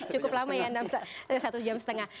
cukup lama ya satu jam setengah